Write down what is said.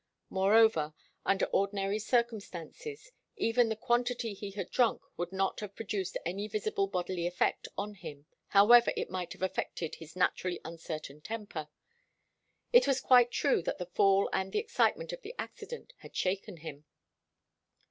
Moreover, under ordinary circumstances, even the quantity he had drunk would not have produced any visible bodily effect on him, however it might have affected his naturally uncertain temper. It was quite true that the fall and the excitement of the accident had shaken him.